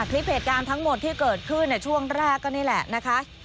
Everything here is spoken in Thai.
คลิปเหตุการณ์ทั้งหมดที่เกิดขึ้นช่วงแรกก็นี่แหละนะคะ